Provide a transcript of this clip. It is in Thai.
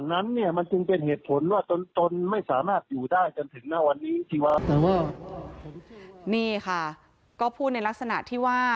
นี่ค่ะก็พูดในลักษณะที่ว่า